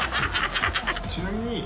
ちなみに。